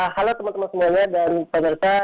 halo teman teman semuanya dan penerja